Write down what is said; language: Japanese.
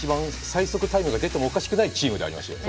最速タイムが出てもおかしくないチームではありますよね。